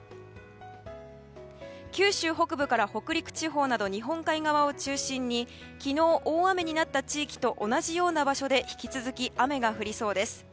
九州北部から北陸地方など日本海側を中心に昨日大雨になった地域と同じような場所で引き続き、雨が降りそうです。